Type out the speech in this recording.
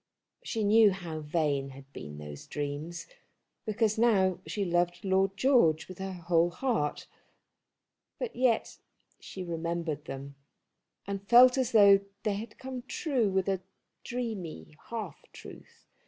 She knew how vain had been those dreams, because she now loved Lord George with her whole heart; but yet she remembered them, and felt as though they had come true with a dreamy half truth.